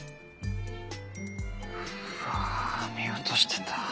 うわ見落としてた。